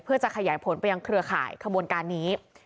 เพื่อจะขยายผลไปยังเครือข่ายขบวนการนี้